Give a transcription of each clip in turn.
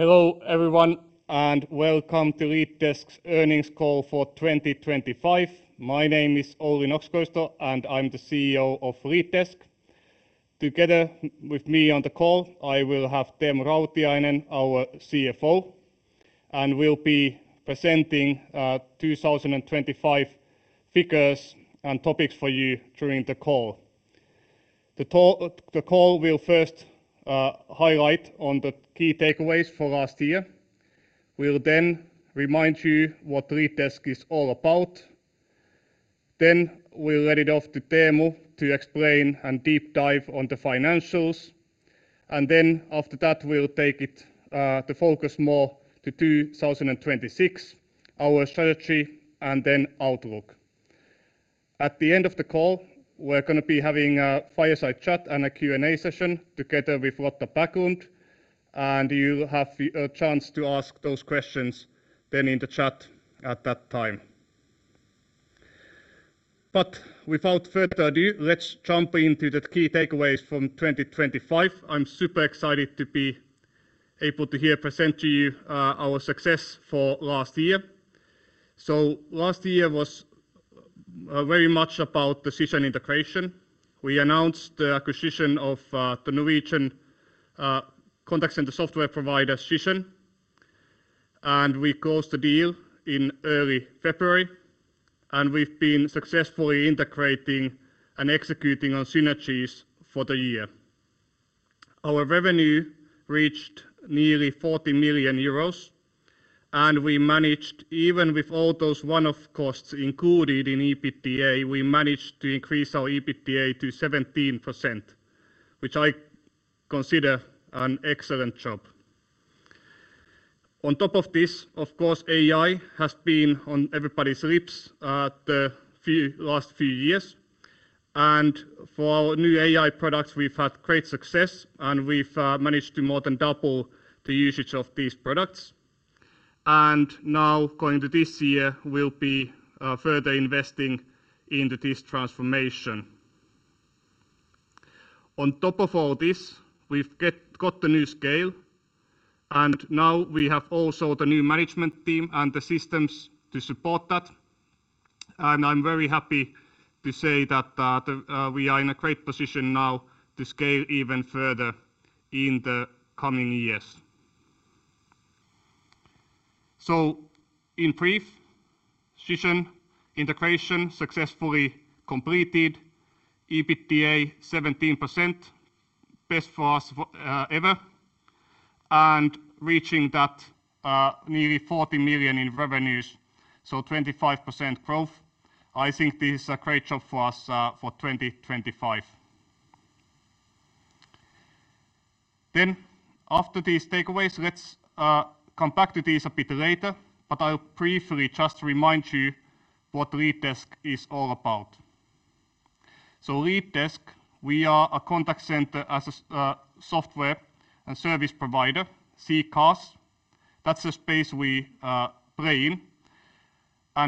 Hello everyone, welcome to LeadDesk's Earnings Call for 2025. My name is Olli Nokso-Koivisto, and I'm the CEO of LeadDesk. Together with me on the call, I will have Teemu Rautiainen, our CFO, and we'll be presenting 2025 figures and topics for you during the call. The call will first highlight on the key takeaways for last year. We'll remind you what LeadDesk is all about. We'll let it off to Teemu to explain and deep dive on the financials. After that, we'll take it the focus more to 2026, our strategy, and then outlook. At the end of the call, we're gonna be having a fireside chat and a Q&A session together with Lotta Backlund, and you'll have the chance to ask those questions then in the chat at that time. Without further ado, let's jump into the key takeaways from 2025. I'm super excited to be able to here present to you our success for last year. Last year was very much about the Zisson integration. We announced the acquisition of the Norwegian contact center software provider Zisson, and we closed the deal in early February, and we've been successfully integrating and executing on synergies for the year. Our revenue reached nearly 40 million euros, and we managed even with all those one-off costs included in EBITDA, we managed to increase our EBITDA to 17% which I consider an excellent job. On top of this, of course, AI has been on everybody's lips the last few years. For our new AI products, we've had great success, and we've managed to more than double the usage of these products. Now going to this year we'll be further investing into this transformation. On top of all this, we've got the new scale, and now we have also the new management team and the systems to support that. I'm very happy to say that we are in a great position now to scale even further in the coming years. In brief, Zisson integration successfully completed, EBITDA 17%, best for us ever, and reaching that nearly 40 million in revenues, so 25% growth. I think this is a great job for us for 2025. After these takeaways, let's come back to this a bit later, but I'll briefly just remind you what LeadDesk is all about. LeadDesk, we are a contact center as a software and service provider, CCaaS. That's the space we play in.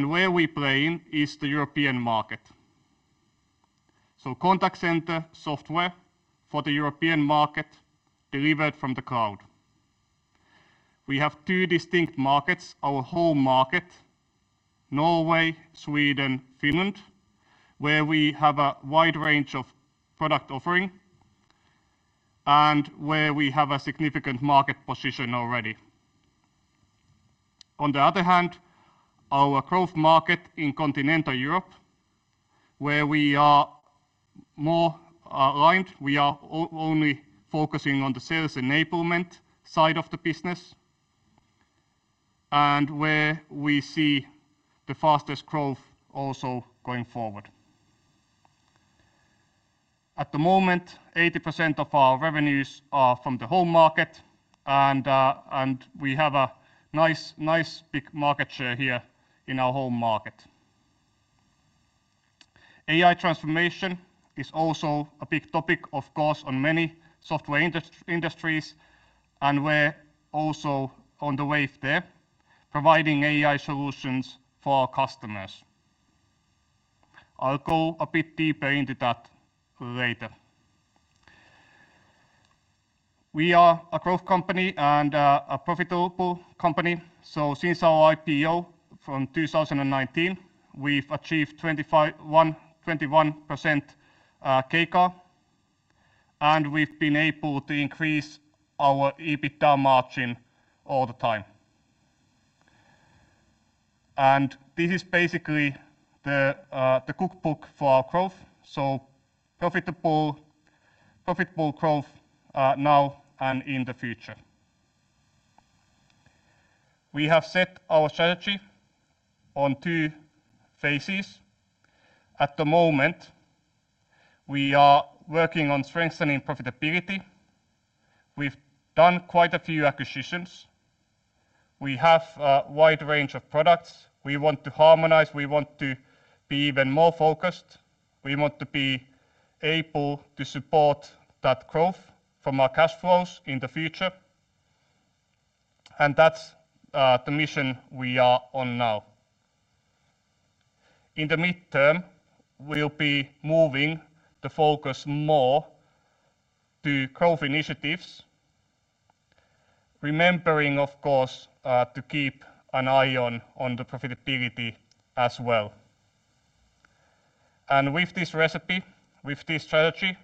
Where we play in is the European market. Contact center software for the European market delivered from the cloud. We have two distinct markets, our home market, Norway, Sweden, Finland, where we have a wide range of product offering and where we have a significant market position already. On the other hand, our growth market in continental Europe, where we are more aligned. We are only focusing on the sales enablement side of the business and where we see the fastest growth also going forward. At the moment, 80% of our revenues are from the home market, and we have a nice big market share here in our home market. AI transformation is also a big topic of course on many software industries, and we're also on the wave there providing AI solutions for our customers. I'll go a bit deeper into that later. We are a growth company and a profitable company. Since our IPO from 2019, we've achieved 21% CAGR, and we've been able to increase our EBITDA margin all the time. This is basically the cookbook for our growth, so profitable growth now and in the future. We have set our strategy on two phases. At the moment, we are working on strengthening profitability. We've done quite a few acquisitions. We have a wide range of products. We want to harmonize. We want to be even more focused. We want to be able to support that growth from our cash flows in the future. That's the mission we are on now. In the midterm, we'll be moving the focus more to growth initiatives, remembering, of course, to keep an eye on the profitability as well. With this recipe, with this strategy,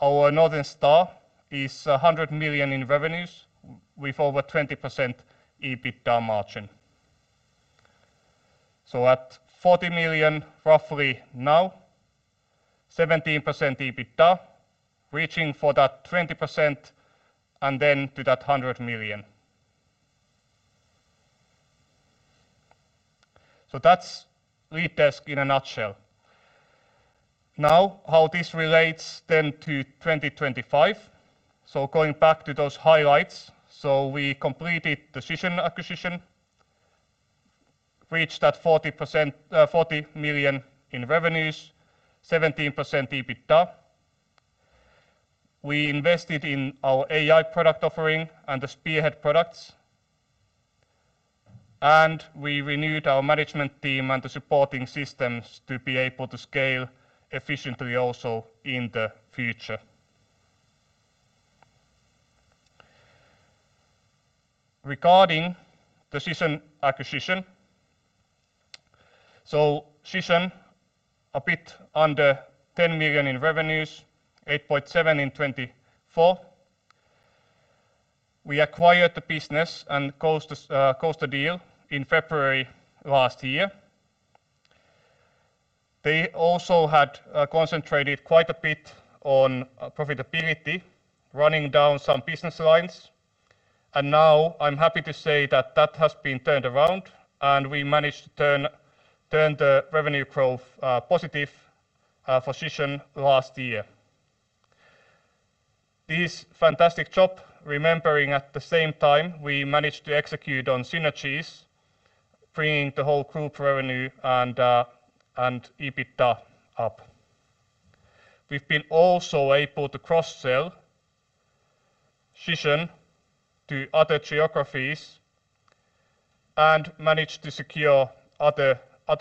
our Northern Star is 100 million in revenues with over 20% EBITDA margin. At EUR 40 million roughly now, 17% EBITDA, reaching for that 20% and then to that 100 million. That's LeadDesk in a nutshell. How this relates then to 2025. Going back to those highlights. We completed the Zisson acquisition, reached that 40 million in revenues, 17% EBITDA. We invested in our AI product offering and the Spearhead products. We renewed our management team and the supporting systems to be able to scale efficiently also in the future. Regarding the Zisson acquisition. Zisson, a bit under 10 million in revenues, 8.7 million in 2024. We acquired the business and closed the deal in February last year. They also had concentrated quite a bit on profitability, running down some business lines. Now I'm happy to say that that has been turned around, and we managed to turn the revenue growth positive for Zisson last year. This fantastic job remembering at the same time we managed to execute on synergies, bringing the whole group revenue and EBITDA up. We've been also able to cross-sell Zisson to other geographies and managed to secure other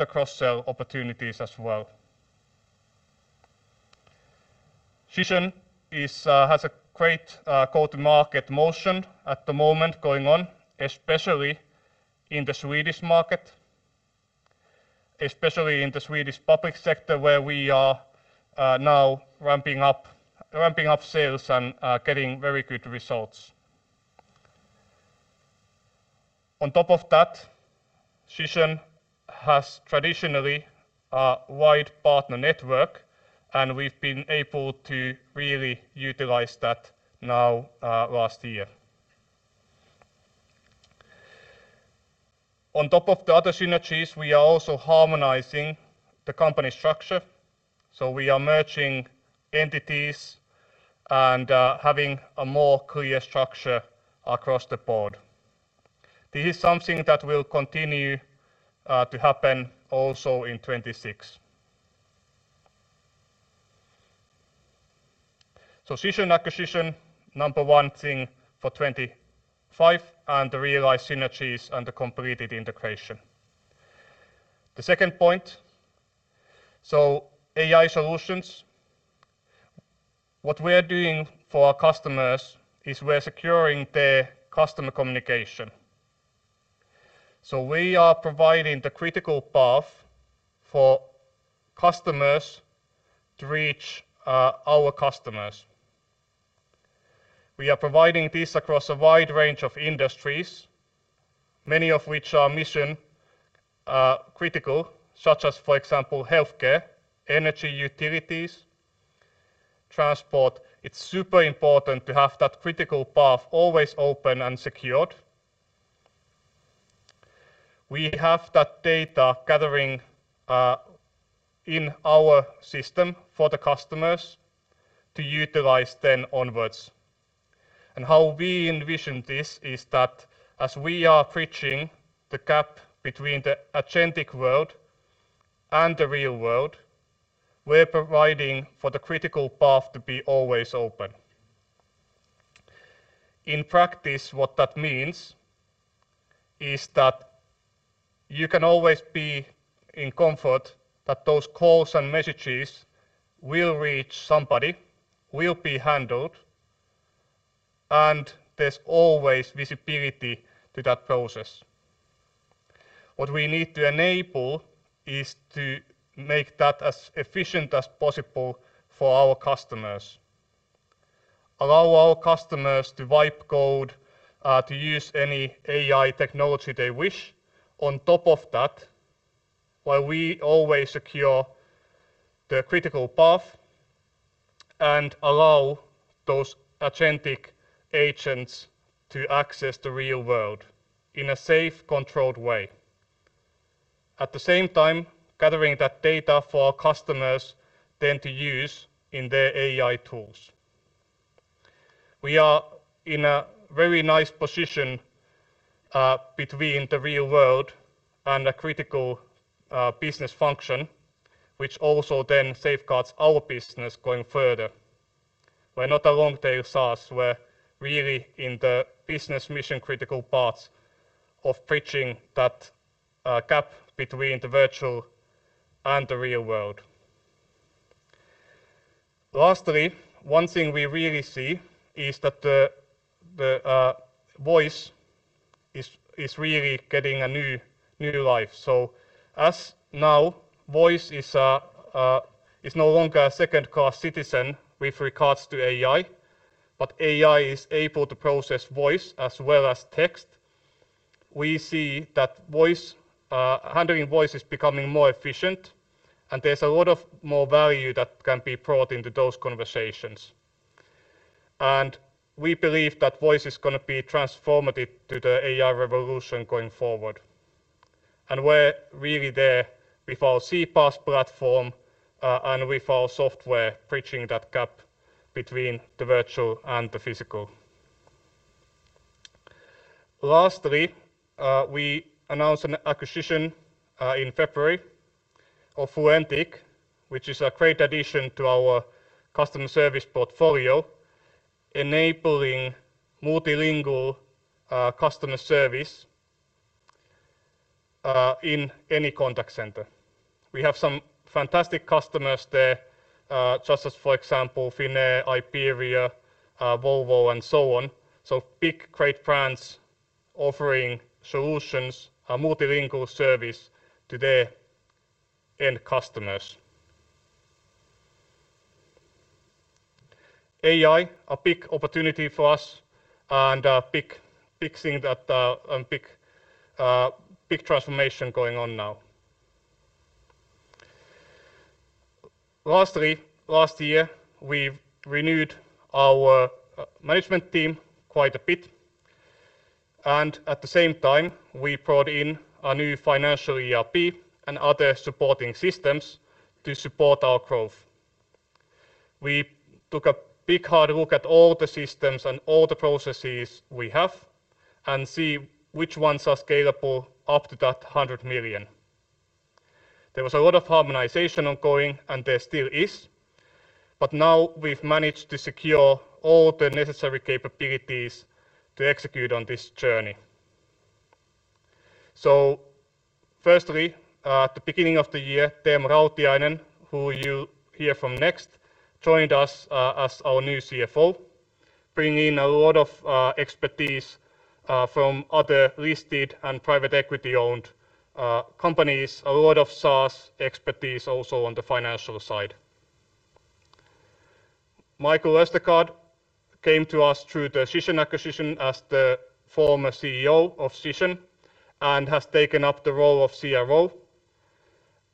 cross-sell opportunities as well. Zisson is has a great go-to-market motion at the moment going on, especially in the Swedish market, especially in the Swedish public sector, where we are now ramping up sales and getting very good results. On top of that, Zisson has traditionally a wide partner network, and we've been able to really utilize that now last year. On top of the other synergies, We are also harmonizing the company structure. We are merging entities and having a more clear structure across the board. This is something that will continue to happen also in 2026. Zisson acquisition, number one thing for 2025, and the realized synergies and the completed integration. The second point, AI solutions. What we're doing for our customers is we're securing their customer communication. We are providing the critical path for customers to reach our customers. We are providing this across a wide range of industries, many of which are mission critical, such as, for example, healthcare, energy, utilities, transport. It's super important to have that critical path always open and secured. We have that data gathering in our system for the customers to utilize then onwards. How we envision this is that as we are bridging the gap between the agentic world and the real world, we're providing for the critical path to be always open. In practice, what that means is that you can always be in comfort that those calls and messages will reach somebody, will be handled, and there's always visibility to that process. What we need to enable is to make that as efficient as possible for our customers. Allow our customers to wipe code, to use any AI technology they wish on top of that while we always secure the critical path and allow those agentic agents to access the real world in a safe, controlled way. At the same time, gathering that data for our customers then to use in their AI tools. We are in a very nice position, between the real world and a critical business function, which also then safeguards our business going further. We're not a long tail SaaS. We're really in the business mission-critical parts of bridging that gap between the virtual and the real world. Lastly, one thing we really see is that the voice is really getting a new life. As now voice is no longer a second-class citizen with regards to AI, but AI is able to process voice as well as text, we see that voice handling voice is becoming more efficient, and there's a lot of more value that can be brought into those conversations. We believe that voice is gonna be transformative to the AI revolution going forward. We're really there with our CPaaS platform and with our software bridging that gap between the virtual and the physical. Lastly, we announced an acquisition in February of Fluentic, which is a great addition to our customer service portfolio, enabling multilingual customer service in any contact center. We have some fantastic customers there, such as, for example, Finnair, Iberia, Volvo, and so on. Big, great brands offering solutions, a multilingual service to their end customers. AI, a big opportunity for us and big, big transformation going on now. Lastly, last year, we renewed our management team quite a bit, and at the same time, we brought in a new financial ERP and other supporting systems to support our growth. We took a big, hard look at all the systems and all the processes we have and see which ones are scalable up to that 100 million. There was a lot of harmonization ongoing, and there still is, but now we've managed to secure all the necessary capabilities to execute on this journey. Firstly, at the beginning of the year, Teemu Rautiainen, who you'll hear from next, joined us as our new CFO, bringing a lot of expertise from other listed and private equity-owned companies. A lot of SaaS expertise also on the financial side. Michael Østgaard came to us through the Zisson acquisition as the former CEO of Zisson and has taken up the role of CRO.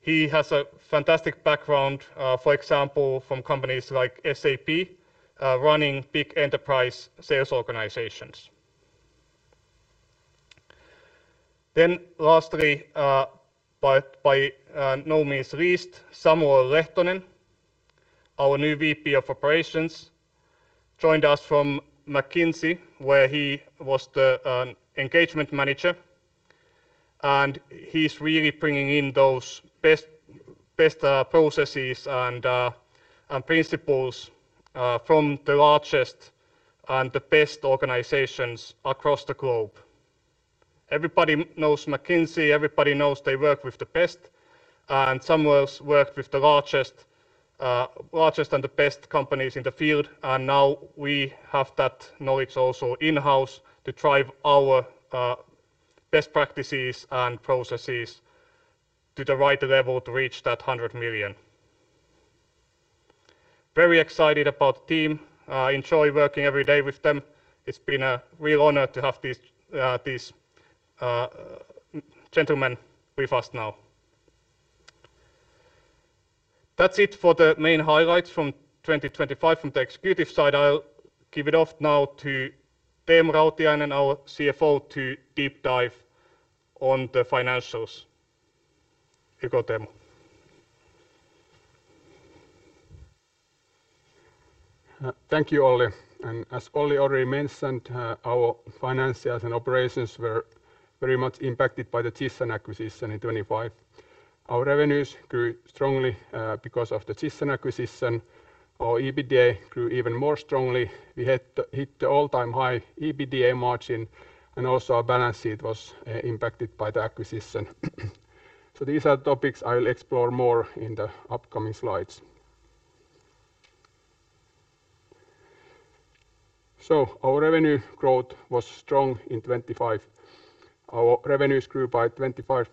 He has a fantastic background, for example, from companies like SAP, running big enterprise sales organizations. Lastly, by no means least, Samuel Lehtonen, our new VP of Operations, joined us from McKinsey, where he was the engagement manager, and he's really bringing in those best processes and principles from the largest and the best organizations across the globe. Everybody knows McKinsey. Everybody knows they work with the best. Samuel's worked with the largest and the best companies in the field. Now we have that knowledge also in-house to drive our best practices and processes to the right level to reach that 100 million. Very excited about the team. I enjoy working every day with them. It's been a real honor to have these gentlemen with us now. That's it for the main highlights from 2025 from the executive side. I'll give it off now to Teemu Rautiainen, our CFO, to deep dive on the financials. You go, Teemu. Thank you, Olli. As Olli already mentioned, our financials and operations were very much impacted by the Zisson acquisition in 2025. Our revenues grew strongly because of the Zisson acquisition. Our EBITDA grew even more strongly. We hit the all-time high EBITDA margin, and also our balance sheet was impacted by the acquisition. These are topics I'll explore more in the upcoming slides. Our revenue growth was strong in 2025. Our revenues grew by 25%,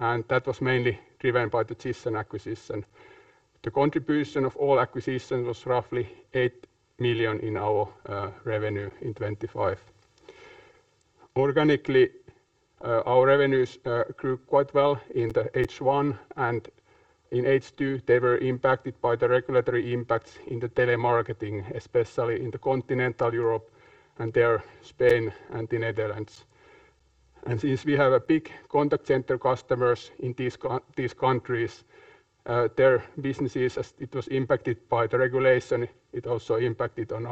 and that was mainly driven by the Zisson acquisition. The contribution of all acquisitions was roughly 8 million in our revenue in 2025. Organically, our revenues grew quite well in the H1, and in H2, they were impacted by the regulatory impacts in the telemarketing, especially in the continental Europe and there Spain and the Netherlands. Since we have a big contact center customers in these these countries, their businesses, as it was impacted by the regulation, it also impacted on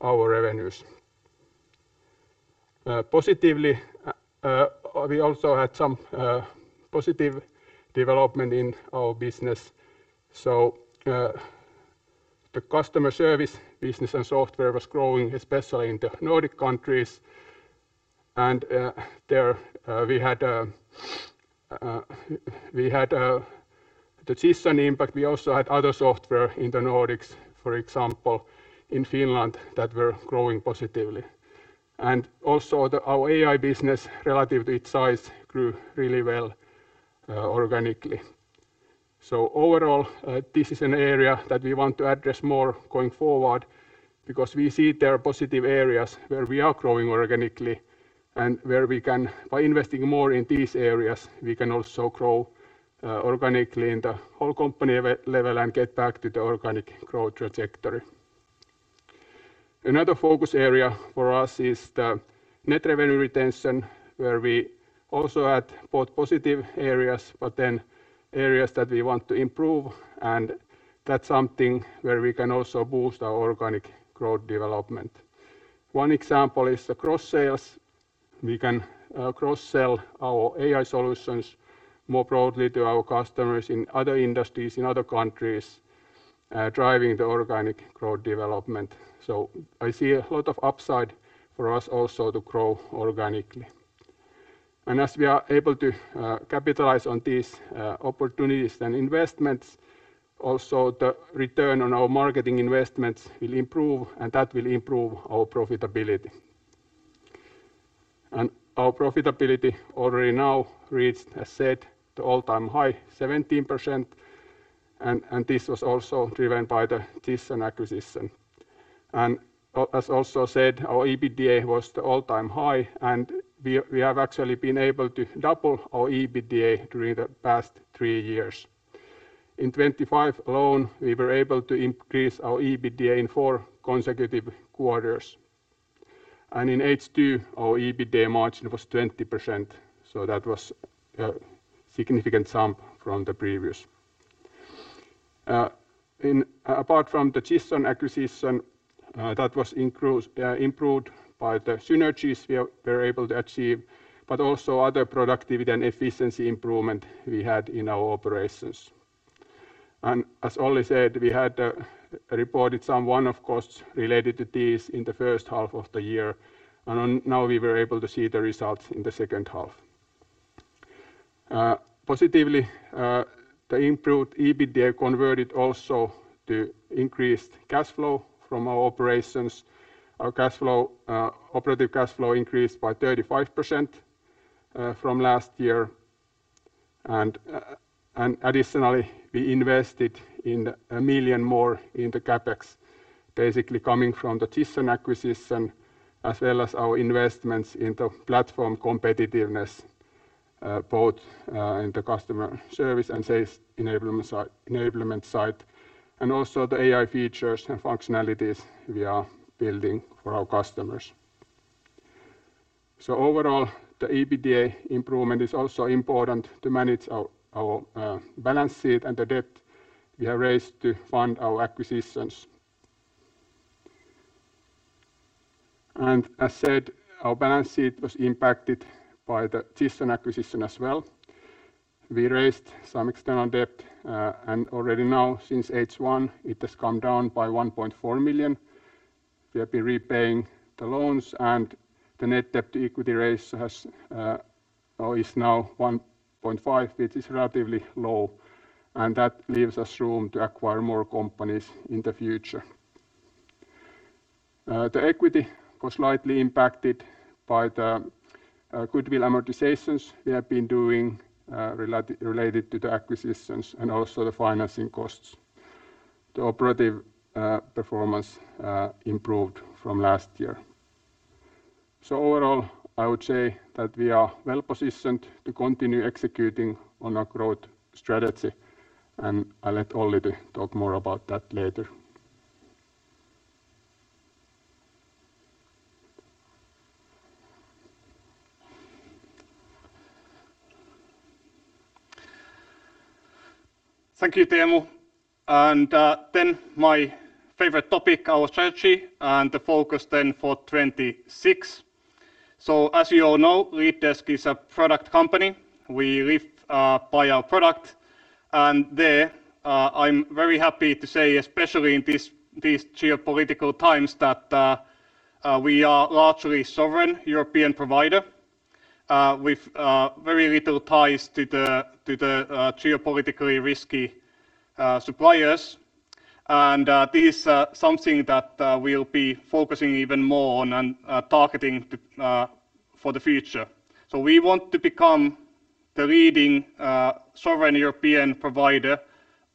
our revenues. Positively, we also had some positive development in our business. The customer service business and software was growing, especially in the Nordic countries. There we had the Zisson impact. We also had other software in the Nordics, for example, in Finland, that were growing positively. Also our AI business relative to its size grew really well organically. Overall, this is an area that we want to address more going forward because we see there are positive areas where we are growing organically and where we can, by investing more in these areas, we can also grow organically in the whole company level and get back to the organic growth trajectory. Another focus area for us is the net revenue retention, where we also had both positive areas that we want to improve and that's something where we can also boost our organic growth development. One example is the cross-sales. We can cross-sell our AI solutions more broadly to our customers in other industries, in other countries, driving the organic growth development. I see a lot of upside for us also to grow organically. As we are able to capitalize on these opportunities and investments, also the return on our marketing investments will improve, and that will improve our profitability. Our profitability already now reached, as said, the all-time high 17%, and this was also driven by the Zisson acquisition. As also said, our EBITDA was the all-time high, and we have actually been able to double our EBITDA during the past 3 years. In 2025 alone, we were able to increase our EBITDA in 4 consecutive quarters. In H2, our EBITDA margin was 20%, so that was a significant jump from the previous. Apart from the Zisson acquisition, that was improved by the synergies we were able to achieve, but also other productivity and efficiency improvement we had in our operations. As Olli said, we had reported some one-off costs related to this in the first half of the year, and now we were able to see the results in the second half. Positively, the improved EBITDA converted also to increased cash flow from our operations. Our cash flow, operative cash flow increased by 35% from last year. Additionally, we invested 1 million more in the CapEx, basically coming from the Zisson acquisition, as well as our investments in the platform competitiveness, both in the customer service and sales enablement side, and also the AI features and functionalities we are building for our customers. Overall, the EBITDA improvement is also important to manage our balance sheet and the debt we have raised to fund our acquisitions. As said, our balance sheet was impacted by the Zisson acquisition as well. We raised some external debt, and already now since H1, it has come down by 1.4 million. We have been repaying the loans and the net debt to equity raise has or is now 1.5, which is relatively low, and that leaves us room to acquire more companies in the future. The equity was slightly impacted by the goodwill amortizations we have been doing related to the acquisitions and also the financing costs. The operative performance improved from last year. Overall, I would say that we are well-positioned to continue executing on our growth strategy, and I'll let Olli to talk more about that later. Thank you, Teemu. Then my favorite topic, our strategy and the focus then for 2026. As you all know, LeadDesk is a product company. We live by our product, and there I'm very happy to say, especially in these geopolitical times, that we are largely sovereign European provider with very little ties to the, to the geopolitically risky suppliers. This something that we'll be focusing even more on and targeting to for the future. We want to become the leading sovereign European provider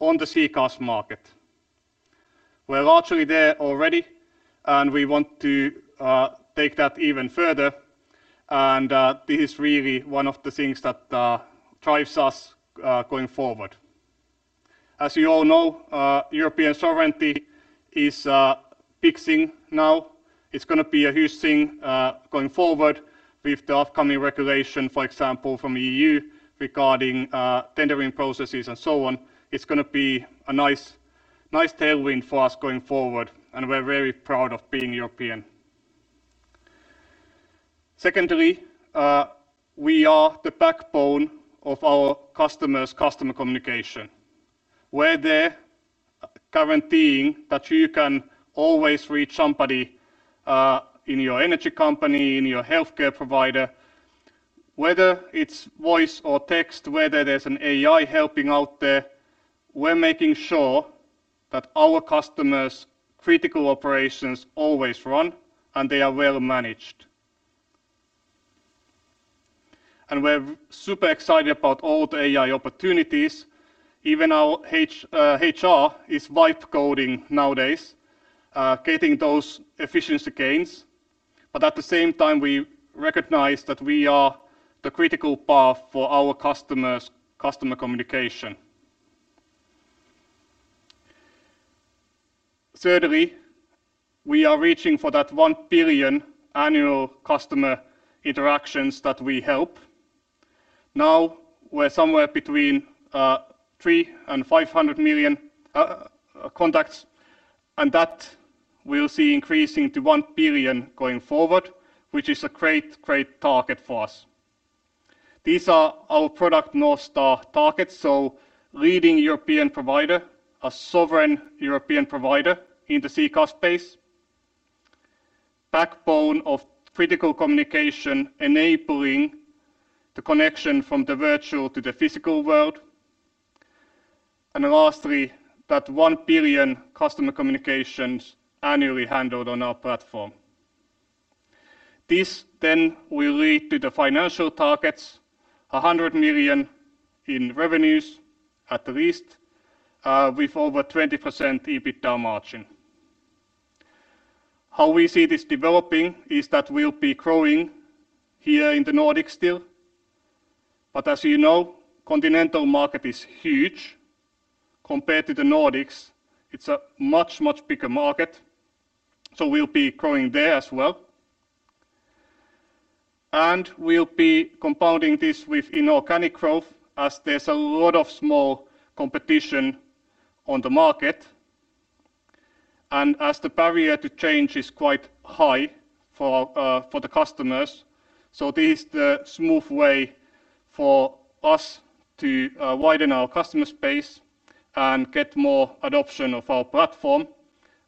on the CCaaS market. We're largely there already, and we want to take that even further and this is really one of the things that drives us going forward. As you all know, European sovereignty is a big thing now. It's gonna be a huge thing going forward with the upcoming regulation, for example, from EU regarding tendering processes and so on. It's gonna be a nice tailwind for us going forward, and we're very proud of being European. Secondly, we are the backbone of our customers' customer communication, where they're guaranteeing that you can always reach somebody in your energy company, in your healthcare provider. Whether it's voice or text, whether there's an AI helping out there, we're making sure that our customers' critical operations always run, and they are well managed. We're super excited about all the AI opportunities. Even our HR is wipe coding nowadays, getting those efficiency gains. At the same time, we recognize that we are the critical path for our customers' customer communication. Thirdly, we are reaching for that 1 billion annual customer interactions that we help. Now, we're somewhere between 300 million and 500 million contacts, and that we'll see increasing to 1 billion going forward, which is a great target for us. These are our product North Star targets. Leading European provider, a sovereign European provider in the CCaaS space. Backbone of critical communication enabling the connection from the virtual to the physical world. Lastly, that 1 billion customer communications annually handled on our platform. This will lead to the financial targets, 100 million in revenues, at least, with over 20% EBITDA margin. How we see this developing is that we'll be growing here in the Nordics still. As you know, continental market is huge. Compared to the Nordics, it's a much, much bigger market. We'll be growing there as well. We'll be compounding this with inorganic growth as there's a lot of small competition on the market and as the barrier to change is quite high for the customers. This is the smooth way for us to widen our customer space and get more adoption of our platform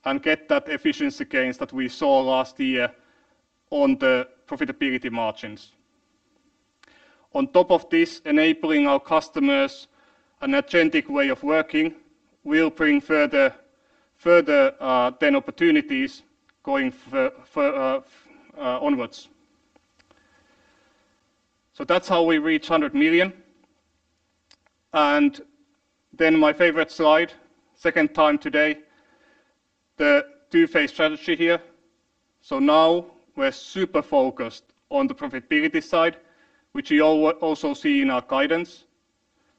and get that efficiency gains that we saw last year on the profitability margins. On top of this, enabling our customers an agentic way of working will bring further then opportunities going onwards. That's how we reach 100 million. Then my favorite slide, second time today, the two-phase strategy here. Now we're super focused on the profitability side, which you also see in our guidance.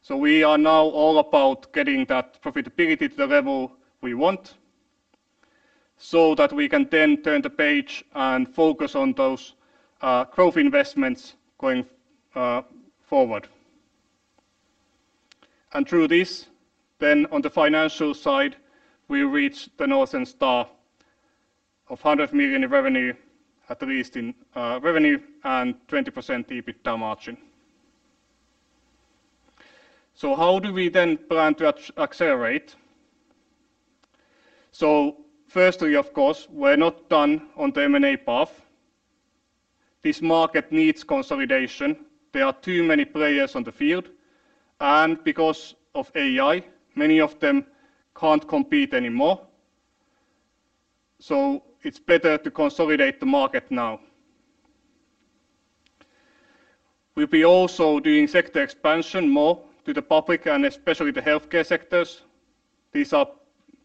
We are now all about getting that profitability to the level we want so that we can then turn the page and focus on those growth investments going forward. Through this, then on the financial side, we reach the Northern Star of 100 million in revenue, at least in revenue and 20% EBITDA margin. How do we then plan to accelerate? Firstly, of course, we're not done on the M&A path. This market needs consolidation. There are too many players on the field, and because of AI, many of them can't compete anymore. It's better to consolidate the market now. We'll be also doing sector expansion more to the public and especially the healthcare sectors. These are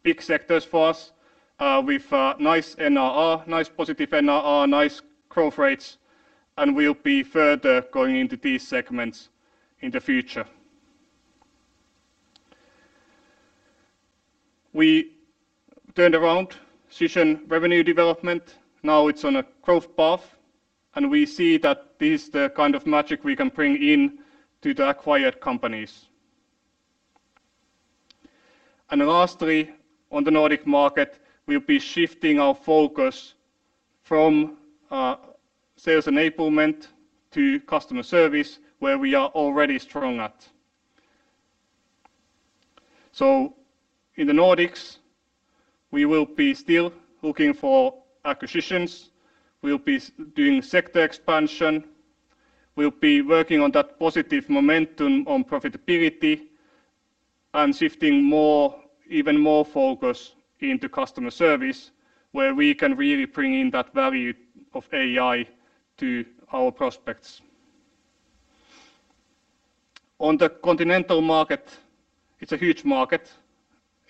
big sectors for us, with nice NRR, nice positive NRR, nice growth rates. We'll be further going into these segments in the future. We turned around Zisson revenue development. Now it's on a growth path, and we see that this is the magic we can bring in to the acquired companies. Lastly, on the Nordic market, we'll be shifting our focus from sales enablement to customer service, where we are already strong at. In the Nordics, we will be still looking for acquisitions. We'll be doing sector expansion. We'll be working on that positive momentum on profitability and shifting more, even more focus into customer service, where we can really bring in that value of AI to our prospects. On the continental market, it's a huge market.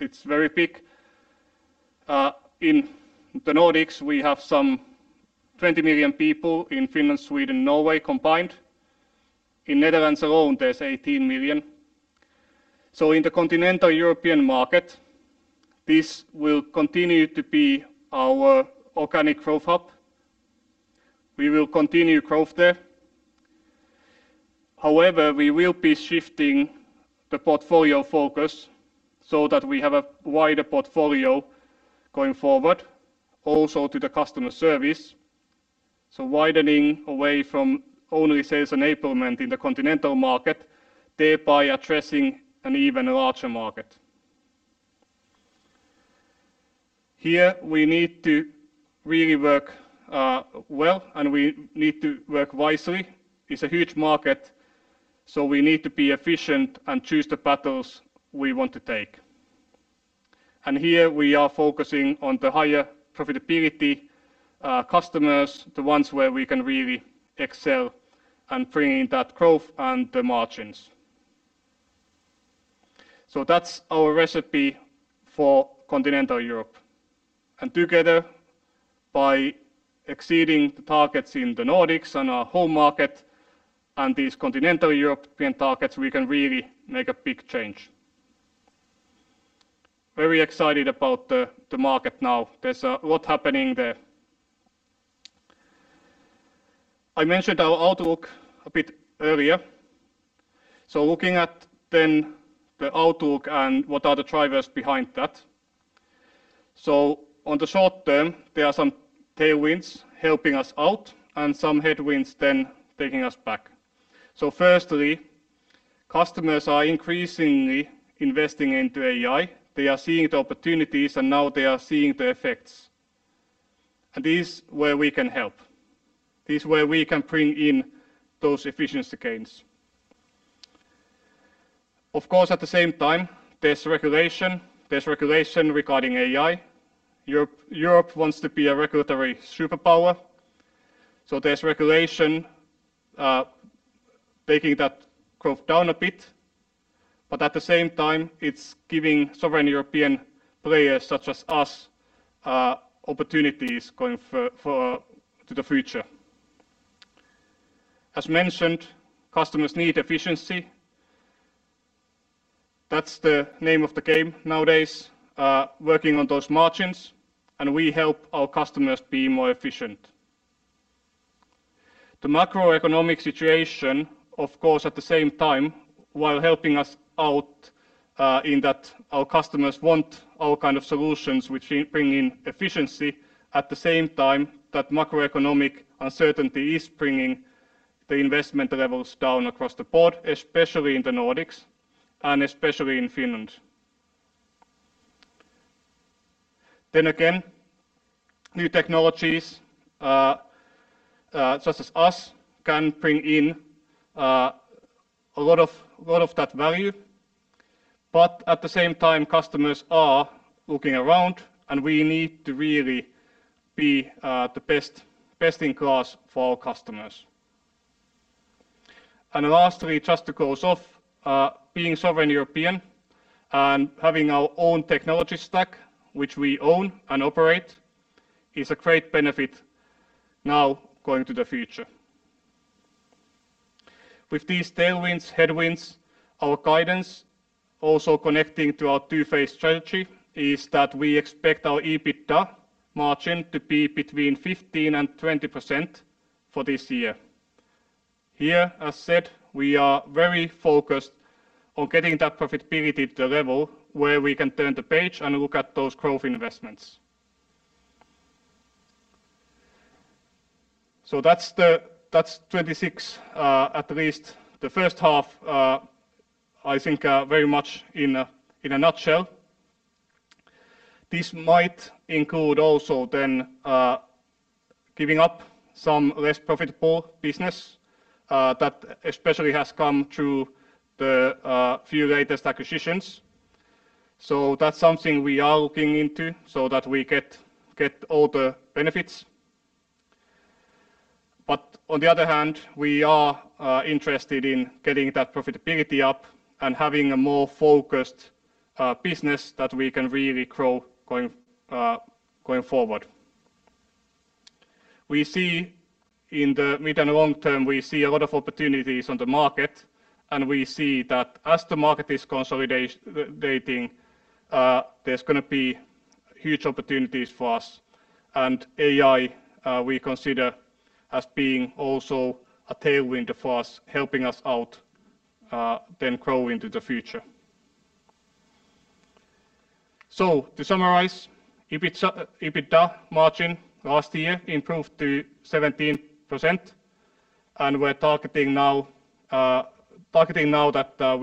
It's very big. In the Nordics, we have some 20 million people in Finland, Sweden, Norway combined. In Netherlands alone, there's 18 million. In the continental European market, this will continue to be our organic growth hub. We will continue growth there. However, we will be shifting the portfolio focus so that we have a wider portfolio going forward also to the customer service. Widening away from only sales enablement in the continental market, thereby addressing an even larger market. Here we need to really work well, and we need to work wisely. It's a huge market, we need to be efficient and choose the battles we want to take. Here we are focusing on the higher profitability customers, the ones where we can really excel and bring in that growth and the margins. That's our recipe for continental Europe. Together by exceeding the targets in the Nordics and our home market and these continental European targets, we can really make a big change. Very excited about the market now. There's a lot happening there. I mentioned our outlook a bit earlier. Looking at then the outlook and what are the drivers behind that. On the short term, there are some tailwinds helping us out and some headwinds then taking us back. Firstly, customers are increasingly investing into AI. They are seeing the opportunities and now they are seeing the effects. And this where we can help. This where we can bring in those efficiency gains. Of course, at the same time, there's regulation. There's regulation regarding AI. Europe wants to be a regulatory superpower, so there's regulation taking that growth down a bit. At the same time, it's giving sovereign European players such as us, opportunities going for to the future. As mentioned, customers need efficiency. That's the name of the game nowadays, working on those margins, and we help our customers be more efficient. The macroeconomic situation, of course, at the same time, while helping us out, in that our customers want our solutions which bring in efficiency, at the same time, that macroeconomic uncertainty is bringing the investment levels down across the board, especially in the Nordics and especially in Finland. Again, new technologies, such as us can bring in a lot of that value. At the same time, customers are looking around and we need to really be the best in class for our customers. Lastly, just to close off, being sovereign European and having our own technology stack, which we own and operate, is a great benefit now going to the future. With these tailwinds, headwinds, our guidance also connecting to our two-phase strategy is that we expect our EBITDA margin to be between 15% and 20% for this year. Here, as said, we are very focused on getting that profitability to the level where we can turn the page and look at those growth investments. That's 26, at least the first half very much in a nutshell. This might include also then, giving up some less profitable business, that especially has come through the few latest acquisitions. That's something we are looking into so that we get all the benefits. On the other hand, we are interested in getting that profitability up and having a more focused business that we can really grow going forward. We see in the mid and long term, we see a lot of opportunities on the market, and we see that as the market is consolidating, there's gonna be huge opportunities for us. AI, we consider as being also a tailwind for us, helping us out then grow into the future. To summarize, EBITDA margin last year improved to 17%, and we're targeting now that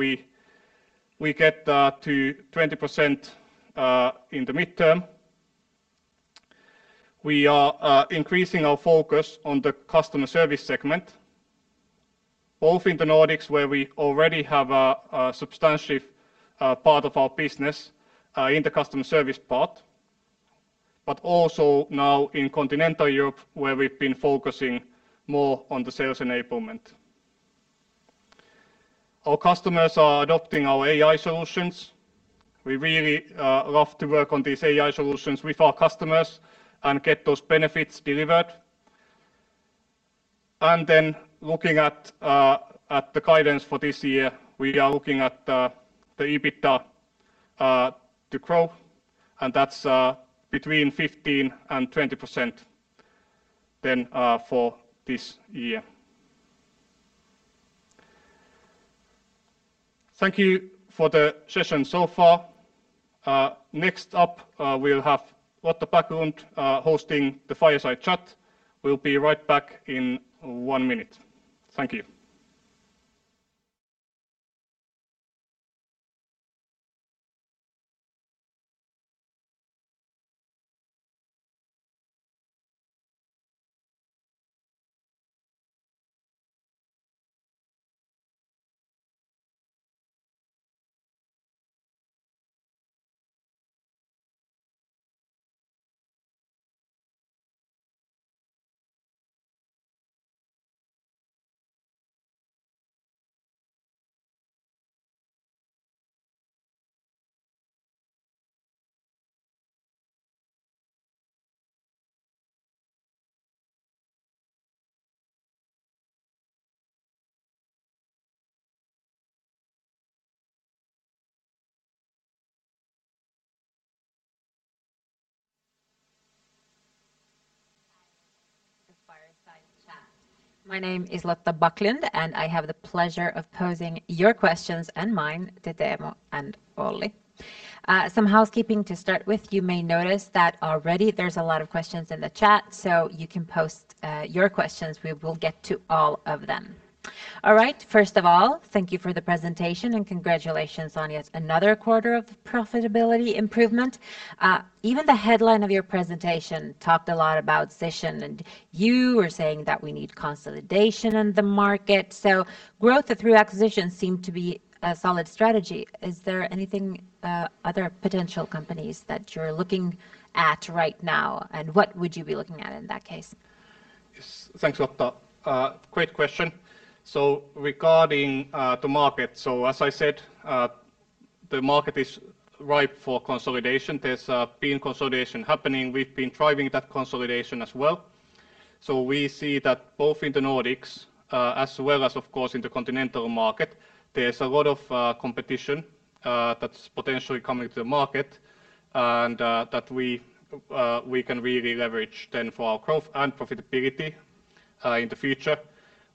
we get to 20% in the midterm. We are increasing our focus on the customer service segment, both in the Nordics where we already have a substantial part of our business in the customer service part, but also now in continental Europe where we've been focusing more on the sales enablement. Our customers are adopting our AI solutions. We really love to work on these AI solutions with our customers and get those benefits delivered. And looking at the guidance for this year, we are looking at the EBITDA to grow, and that's between 15% and 20% for this year. Thank you for the session so far. Next up, we'll have Lotta Backlund hosting the fireside chat. We'll be right back in one minute. Thank you. The fireside chat. My name is Lotta Backlund, and I have the pleasure of posing your questions and mine to Teemu and Olli. Some housekeeping to start with. You may notice that already there's a lot of questions in the chat, so you can post your questions. We will get to all of them. All right, first of all, thank you for the presentation, and congratulations on yet another quarter of profitability improvement. Even the headline of your presentation talked a lot about Zisson, and you were saying that we need consolidation in the market. Growth through acquisition seemed to be a solid strategy. Is there anything other potential companies that you're looking at right now, and what would you be looking at in that case? Yes. Thanks, Lotta. Great question. Regarding the market, as I said, the market is ripe for consolidation. There's been consolidation happening. We've been driving that consolidation as well. We see that both in the Nordics, as well as, of course, in the continental market, there's a lot of competition that's potentially coming to the market and that we can really leverage then for our growth and profitability in the future.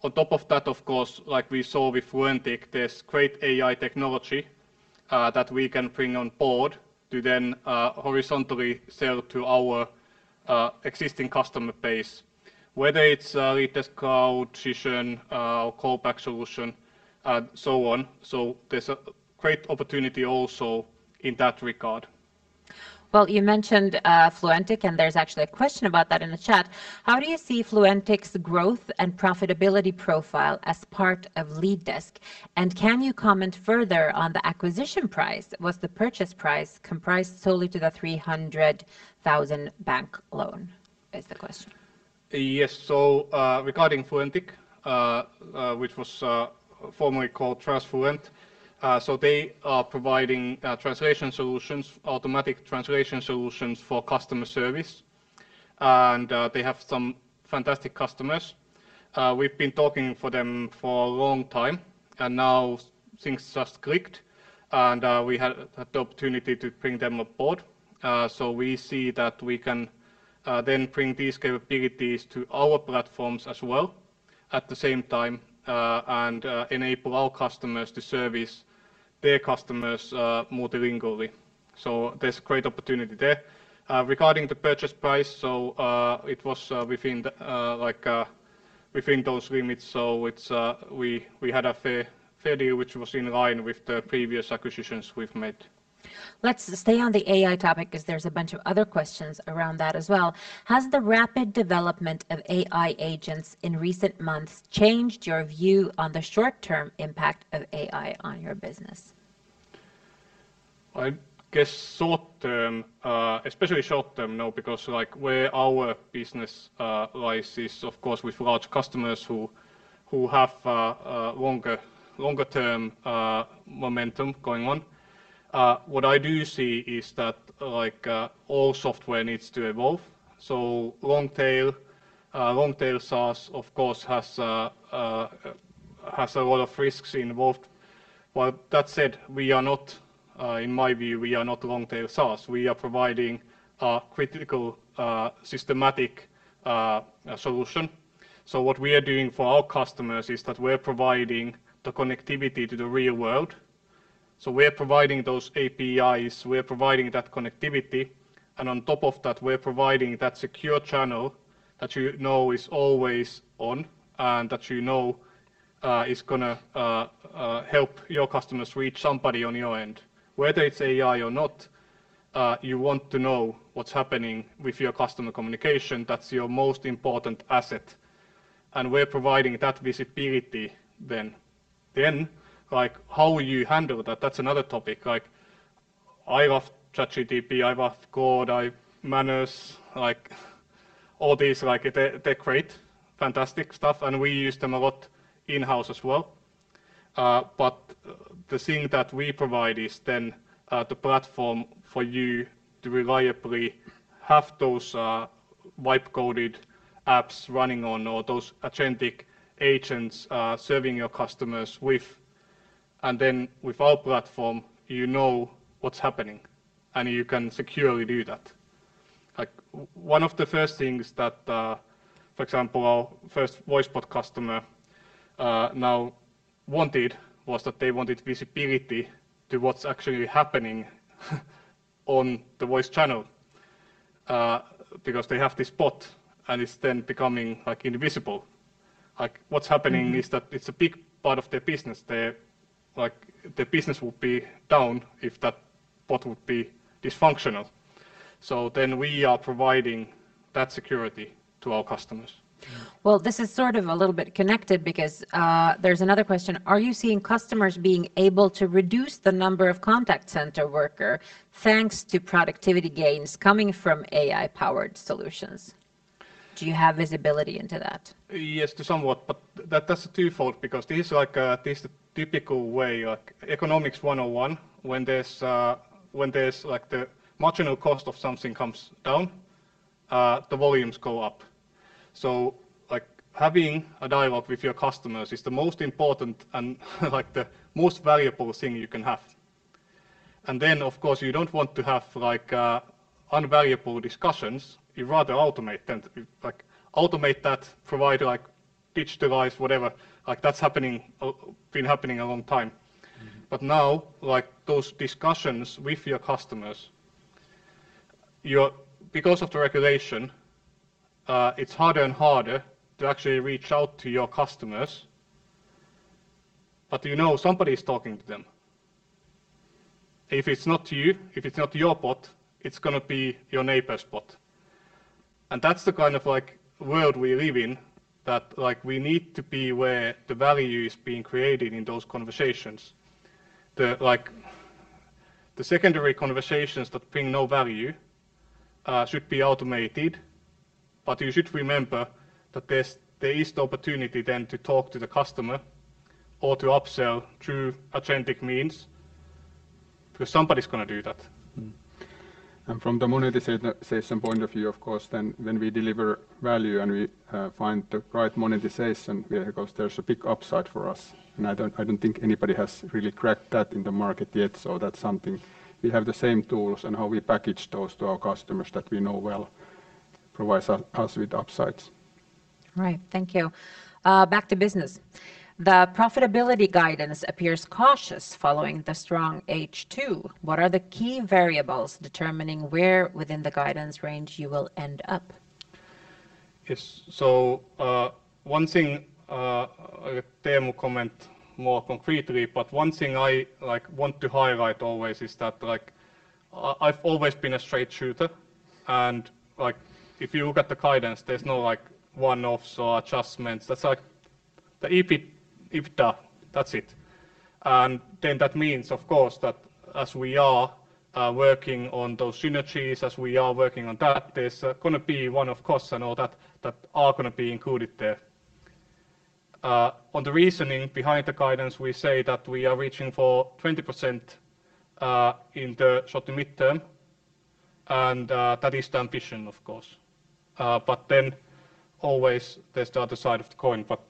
On top of that, of course, like we saw with Fluentic, there's great AI technology that we can bring on board to then horizontally sell to our existing customer base, whether it's LeadDesk Cloud solution, callback solution, so on. There's a great opportunity also in that regard. Well, you mentioned Fluentic, and there's actually a question about that in the chat. How do you see Fluentic's growth and profitability profile as part of LeadDesk? Can you comment further on the acquisition price? Was the purchase price comprised solely to the 300,000 bank loan? Is the question. Yes. Regarding Fluentic, which was formerly called Transfluent, they are providing translation solutions, automatic translation solutions for customer service, and they have some fantastic customers. We've been talking for them for a long time, and now things just clicked, and we had the opportunity to bring them aboard. We see that we can then bring these capabilities to our platforms as well at the same time, and enable our customers to service their customers multilingualy. There's great opportunity there. Regarding the purchase price, it was within those limits. It's we had a fair deal which was in line with the previous acquisitions we've made. Let's stay on the AI topic because there's a bunch of other questions around that as well. Has the rapid development of AI agents in recent months changed your view on the short-term impact of AI on your business? Short-term, especially short-term, no, because where our business lies is of course, with large customers who have longer-term momentum going on. What I do see is that all software needs to evolve. Long tail, long tail SaaS, of course, has a lot of risks involved. Well, that said, we are not, in my view, we are not long tail SaaS. We are providing a critical, systematic solution. What we are doing for our customers is that we're providing the connectivity to the real world. We are providing those APIs, we are providing that connectivity, and on top of that, we're providing that secure channel that you know is always on and that you know, is gonna help your customers reach somebody on your end. Whether it's AI or not, you want to know what's happening with your customer communication. That's your most important asset, we're providing that visibility then. Like, how you handle that's another topic. Like, I love ChatGPT, I love Code, manners all these, they create fantastic stuff, and we use them a lot in-house as well. The thing that we provide is then, the platform for you to reliably have those, wipe coded apps running on all those agentic agents, serving your customers with-With our platform, you know what's happening, and you can securely do that. One of the first things that, for example, our first Voicebot customer now wanted was that they wanted visibility to what's actually happening on the voice channel, because they have this bot and it's then becoming invisible. What's happening is that it's a big part of their business. Their business would be down if that bot would be dysfunctional. We are providing that security to our customers. This is a little bit connected because there's another question. Are you seeing customers being able to reduce the number of contact center workers, thanks to productivity gains coming from AI-powered solutions? Do you have visibility into that? Yes, to somewhat, that's a twofold because this is like, this the typical way. Economics 101, when there's when there' the marginal cost of something comes down, the volumes go up. Having a dialogue with your customers is the most important and like the most valuable thing you can have. Then, of course, you don't want to have unvaluable discussions. You'd rather automate them. Like, automate that, provide like digitalize, whatever. That's happening or been happening a long time. Now, those discussions with your customers, because of the regulation, are harder and harder to actually reach out to your customers. Somebody's talking to them. If it's not you, if it's not your bot, it's gonna be your neighbor's bot. That's the world we live in, that we need to be where the value is being created in those conversations. The secondary conversations that bring no value, should be automated, but you should remember that there is the opportunity then to talk to the customer or to upsell through authentic means, because somebody's gonna do that. From the monetization point of view, of course, then when we deliver value and we find the right monetization vehicles, there's a big upside for us. I don't think anybody has really cracked that in the market yet, so that's something. We have the same tools and how we package those to our customers that we know well provides us with upsides. Right. Thank you. back to business. The profitability guidance appears cautious following the strong H2. What are the key variables determining where within the guidance range you will end up? Yes. One thing, Teemu comment more concretely, but one thing I want to highlight always is that I've always been a straight shooter. Like, if you look at the guidance, there's no one-offs or adjustments. That's like theEBITDA, that's it. That means, of course, that as we are working on those synergies, as we are working on that, there's gonna be one-off costs and all that that are gonna be included there. On the reasoning behind the guidance, we say that we are reaching for 20% in the short-to-midterm, and that is the ambition, of course. Always there's the other side of the coin, but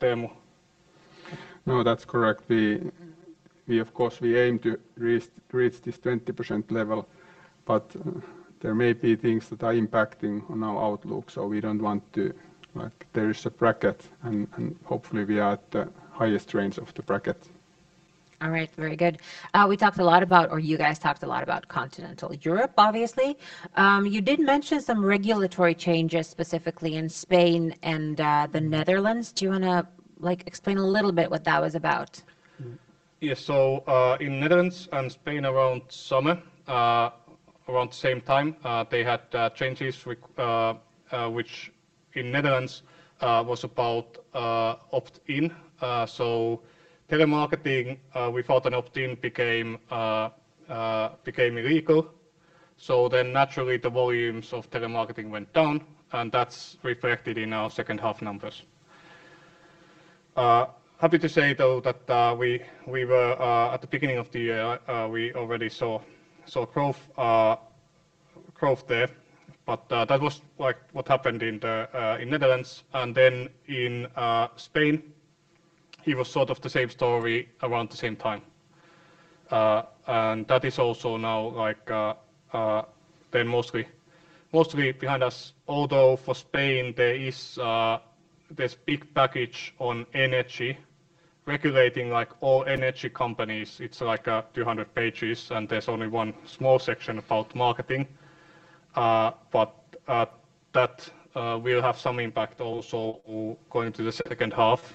Teemu. No, that's correct. We, of course, we aim to reach this 20% level, but there may be things that are impacting on our outlook, so we don't want to. Like, there is a bracket and hopefully, we are at the highest range of the bracket. All right. Very good. We talked a lot about, or you guys talked a lot about Continental Europe, obviously. You did mention some regulatory changes, specifically in Spain and, the Netherlands. Do you wanna explain a little bit what that was about? In Netherlands and Spain around summer, around the same time, they had changes with which in Netherlands was about opt-in. Telemarketing without an opt-in became illegal. Naturally, the volumes of telemarketing went down, and that's reflected in our second-half numbers. Happy to say though that we were at the beginning of the year, we already saw growth there. That was what happened in the in Netherlands. In Spain, it wa the same story around the same time. That is also now like they're mostly behind us. Although for Spain, there is this big package on energy regulating all energy companies. It's like 200 pages, there's only one small section about marketing. That will have some impact also going to the second half.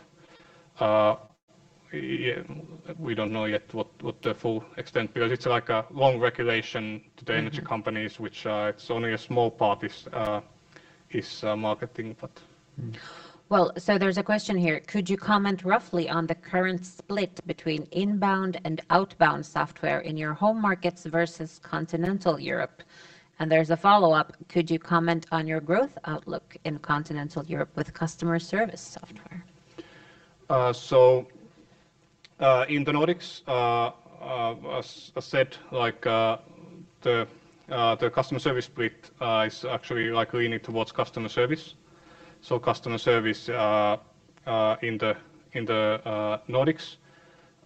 We don't know yet what the full extent, it's like a long regulation to the energy companies, which it's only a small part is marketing. There's a question here. Could you comment roughly on the current split between inbound and outbound software in your home markets versus Continental Europe? There's a follow-up. Could you comment on your growth outlook in Continental Europe with customer service software? In the Nordics, as I said the customer service split is actually like leaning towards customer service. Customer service in the Nordics.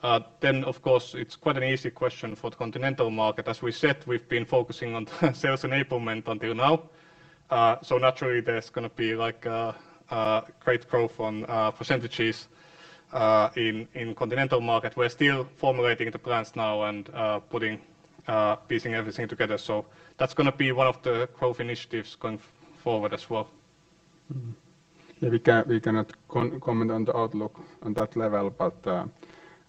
Of course, it's quite an easy question for the continental market. As we said, we've been focusing on sales enablement until now. Naturally there's gonna be like great growth on % in continental market. We're still formulating the plans now and piecing everything together. That's gonna be one of the growth initiatives going forward as well. We cannot comment on the outlook on that level, but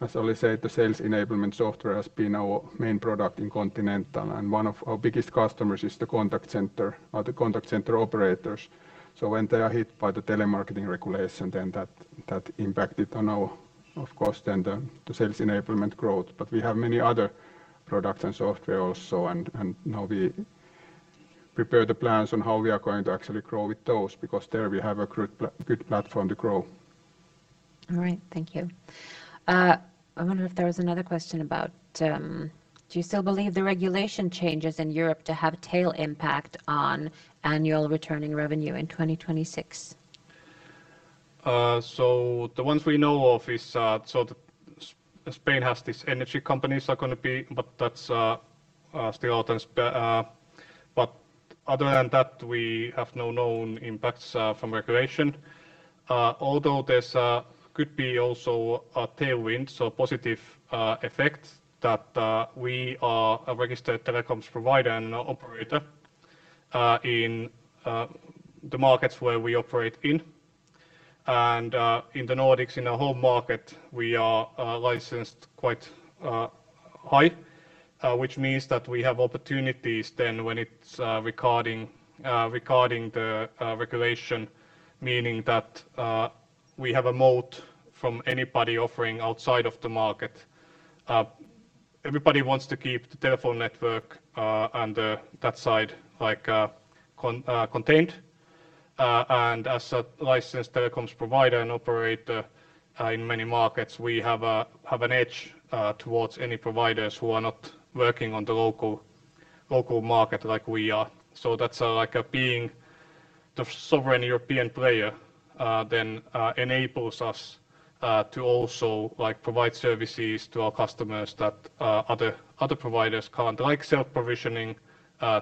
as Olli said, the sales enablement software has been our main product in continental, and one of our biggest customers is the contact center or the contact center operators. When they are hit by the telemarketing regulation, then that impacted on our, of course, then the sales enablement growth. We have many other products and software also and now we prepare the plans on how we are going to actually grow with those because there we have a good platform to grow. All right. Thank you. I wonder if there was another question about, do you still believe the regulation changes in Europe to have tail impact on annual returning revenue in 2026? The ones we know of is, so Spain has these energy companies are gonna be, but that's still out in Spain, but other than that, we have no known impacts from regulation. Although there's could be also a tailwind, so positive effect that we are a registered telecoms provider and operator in the markets where we operate in. In the Nordics, in our home market, we are licensed quite high, which means that we have opportunities then when it's recording the regulation, meaning that we have a moat from anybody offering outside of the market. Everybody wants to keep the telephone network and the that side like contained. sed telecoms provider and operator, in many markets, we have a, have an edge towards any providers who are not working on the local market like we are. So that's like a being the sovereign European player, then enables us to also like provide services to our customers that other providers can't, like self-provisioning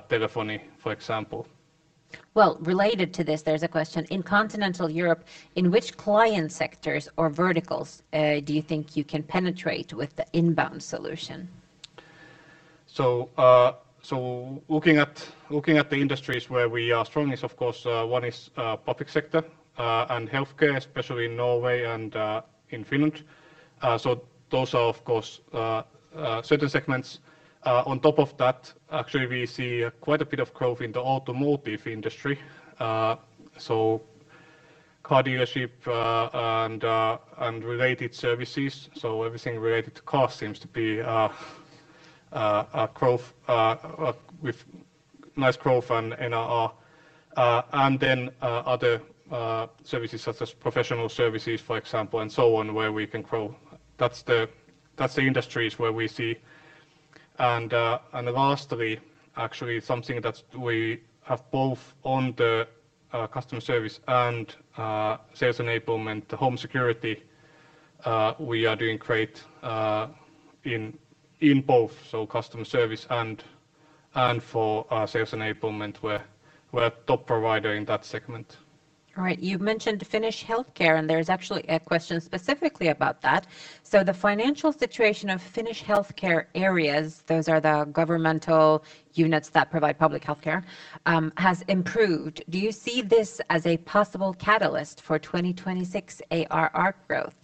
telephony, for example Related to this, there's a question. In continental Europe, in which client sectors or verticals, do you think you can penetrate with the inbound solution? Looking at, looking at the industries where we are strong is of course, one is public sector and healthcare, especially in Norway and in Finland. Those are of course, certain segments. On top of that, actually we see quite a bit of growth in the automotive industry. Car dealership and related services. Everything related to cars seems to be a growth with nice growth and NRR. Then, other services such as professional services, for example, and so on where we can grow. That's the, that's the industries where we see. Lastly, actually something that we have both on the customer service and sales enablement, the home security, we are doing great in both customer service and for sales enablement, we're a top provider in that segment. All right. You've mentioned Finnish healthcare, and there's actually a question specifically about that. The financial situation of Finnish healthcare areas, those are the governmental units that provide public healthcare, has improved. Do you see this as a possible catalyst for 2026 ARR growth?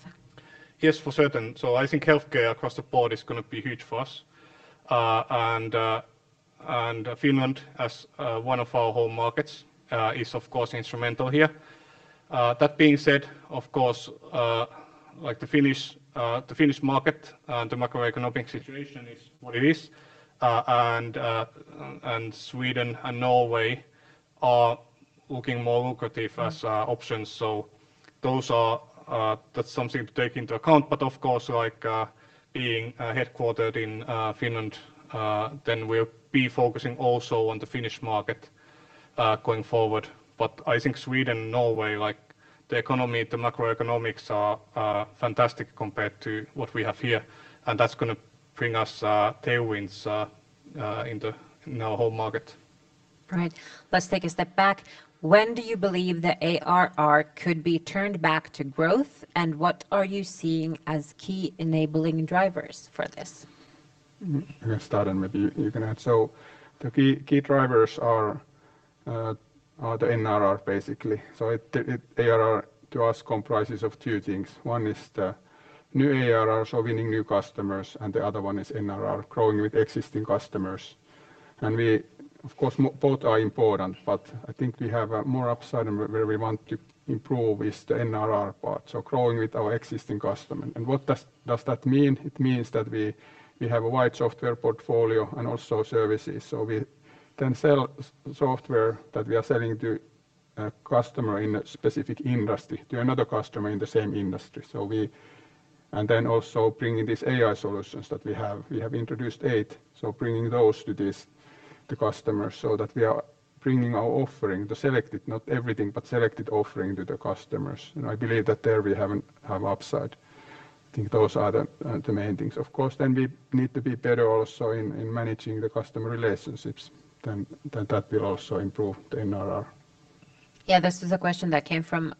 Yes, for certain. Healthcare across the board is gonna be huge for us. Finland as one of our home markets is of course instrumental here. That being said, of course, like the Finnish market and the macroeconomic situation is what it is. Sweden and Norway are looking more lucrative as options. Those are that's something to take into account. Of course, like being headquartered in Finland, then we'll be focusing also on the Finnish market going forward. Sweden and Norway, like the economy, the macroeconomics are fantastic compared to what we have here, and that's gonna bring us tailwinds in the in our home market. Right. Let's take a step back. When do you believe the ARR could be turned back to growth, and what are you seeing as key enabling drivers for this? I can start and maybe you can add. The key drivers are the NRR basically. ARR to us comprises of two things. One is the new ARR, so winning new customers, and the other one is NRR, growing with existing customers. We, of course, both are important, but we have more upside and where we want to improve is the NRR part, so growing with our existing customers. What does that mean? It means that we have a wide software portfolio and also services. We then sell software that we are selling to a customer in a specific industry, to another customer in the same industry. Then also bringing these AI solutions that we have. We have introduced eight, so bringing those to this, the customers, so that we are bringing our offering, the selected, not everything, but selected offering to the customers. You know, I believe that there we have upside. I think those are the main things. Of course, we need to be better also in managing the customer relationships, then that will also improve the NRR. This is a question that came from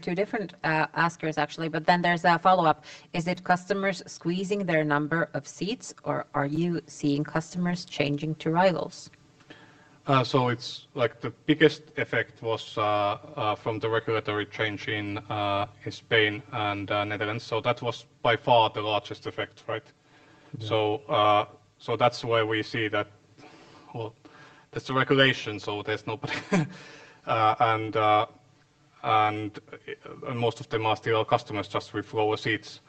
two different askers actually. There's a follow-up. Is it customers squeezing their number of seats or are you seeing customers changing to rivals? It's like the biggest effect was from the regulatory change in Spain and Netherlands, so that was by far the largest effect, right? Yeah. That's why we see that's the regulation, so there's nobody. Most of them are still our customers, just with lower seats.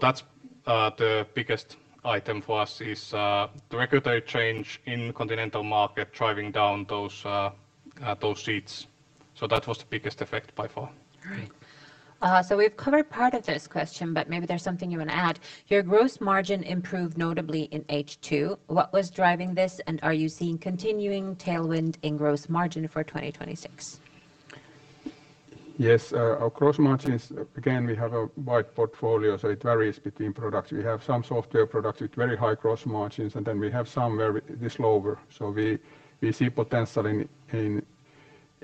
That's the biggest item for us is the regulatory change in continental market driving down those seats. That was the biggest effect by far. All right. We've covered part of this question, but maybe there's something you wanna add. Your gross margin improved notably in H2. What was driving this, and are you seeing continuing tailwind in gross margin for 2026? Yes. Our gross margins, again, we have a wide portfolio, so it varies between products. We have some software products with very high gross margins, and then we have some where we the slower. We see potential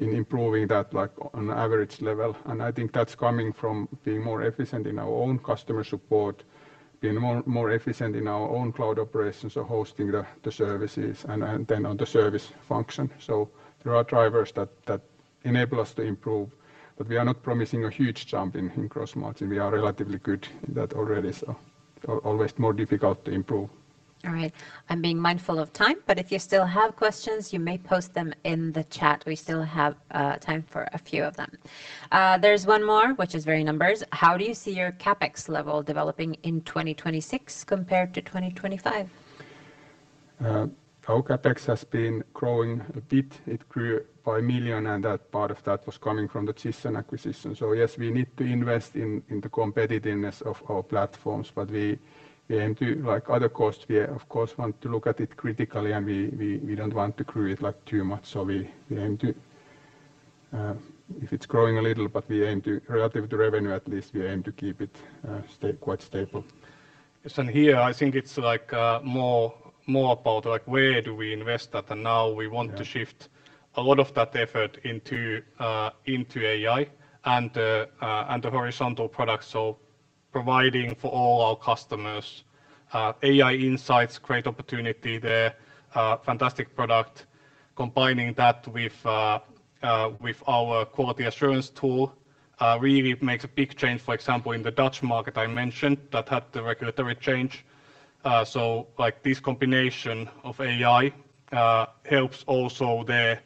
in improving that like on average level, and that's coming from being more efficient in our own customer support, being more efficient in our own cloud operations or hosting the services and then on the service function. There are drivers that enable us to improve, but we are not promising a huge jump in gross margin. We are relatively good in that already, so always more difficult to improve. All right. I'm being mindful of time, but if you still have questions you may post them in the chat. We still have time for a few of them. There's one more which is very numbers. How do you see your CapEx level developing in 2026 compared to 2025? Our CapEx has been growing a bit. It grew by million, and that part of that was coming from the Zisson acquisition. Yes, we need to invest in the competitiveness of our platforms. We aim to, like other costs, we of course want to look at it critically, and we don't want to grow it like too much, so we aim to, if it's growing a little, but we aim to relative to revenue at least, we aim to keep it quite stable. Yes. Here I think it's like more about like where do we invest at to shift a lot of that effort into AI and the horizontal products. Providing for all our customers, AI Insights, great opportunity there, fantastic product. Combining that with our Quality Assurance Tool, really makes a big change. For example, in the Dutch market I mentioned that had the regulatory change. Like this combination of AI helps also there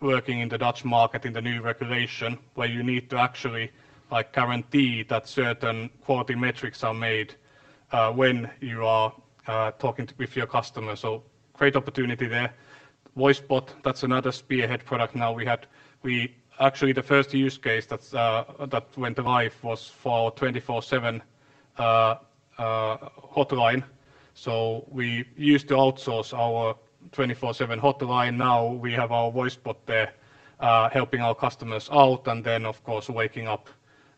working in the Dutch market in the new regulation, where you need to actually guarantee that certain quality metrics are made when you are talking with your customer. Great opportunity there. Voicebot, that's another spearhead product now we have. Actually, the first use case that went live was for our 24/7 hotline. We used to outsource our 24/7 hotline. Now we have our Voicebot there, helping our customers out and then of course waking up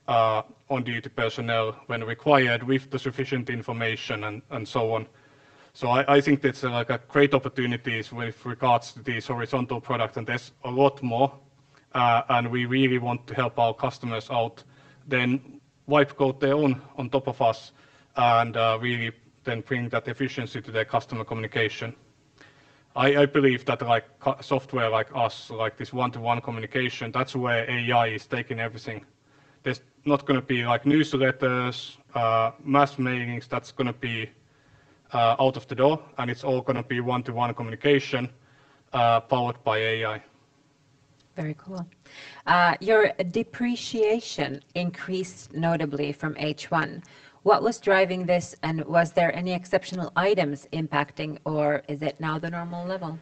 on-duty personnel when required with sufficient information and so on. That's a great opportunity with regards to these horizontal products, and there's a lot more, and we really want to help our customers out. Wipe, go their own on top of us and really then bring that efficiency to their customer communication. I believe that co-software like us, like this one-to-one communication, that's where AI is taking everything. There's not gonna be like newsletters, mass mailings. That's gonna be out of the door, and it's all gonna be one-to-one communication, powered by AI. Very cool. Your depreciation increased notably from H1. What was driving this, and was there any exceptional items impacting or is it now the normal level?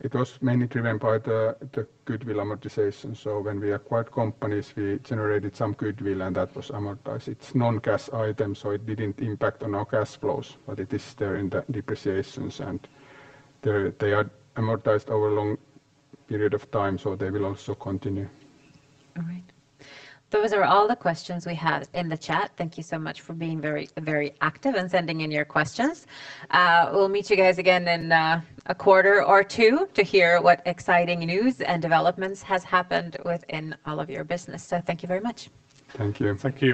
It was mainly driven by the goodwill amortization. When we acquired companies, we generated some goodwill, and that was amortized. It's non-cash items, so it didn't impact on our cash flows, but it is there in the depreciation. They are amortized over a long period of time, so they will also continue. All right. Those are all the questions we had in the chat. Thank you so much for being very, very active and sending in your questions. We'll meet you guys again in a quarter or two to hear what exciting news and developments has happened within all of your business. Thank you very much. Thank you. Thank you.